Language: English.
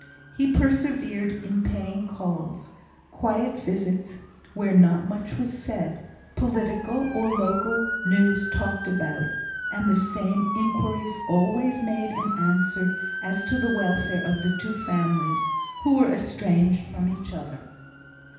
He persevered in paying calls quiet visits, where not much was said, political or local news talked about, and the same inquiries always made and answered as to the welfare of the two families, who were estranged from each other.